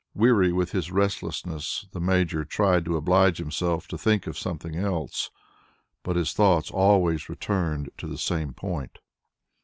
Weary with his restlessness, the Major tried to oblige himself to think of something else, but his thoughts always returned to the same point.